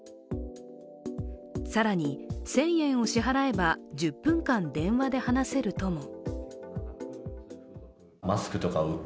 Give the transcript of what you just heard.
更に、１０００円を支払えば１０分間、電話で話せるとも。